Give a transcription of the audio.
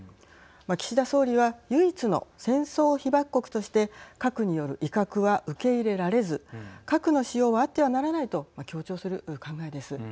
岸田総理は唯一の戦争被爆国として核による威嚇は受け入れられず核の使用はあってはならないと強調する考えです。